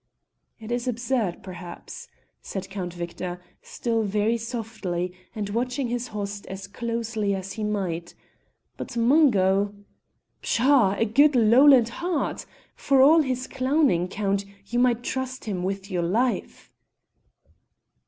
"It is absurd, perhaps," said Count Victor, still very softly, and watching his host as closely as he might, "but Mungo " "Pshaw! a good lowland heart! For all his clowning, Count, you might trust him with your life."